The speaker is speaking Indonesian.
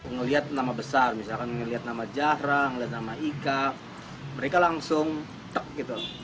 ngelihat nama besar misalkan ngeliat nama jahra ngeliat nama ika mereka langsung tek gitu